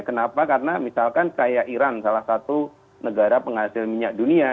kenapa karena misalkan kayak iran salah satu negara penghasil minyak dunia